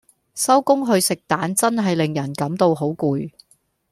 收工去食彈真係令人感到好攰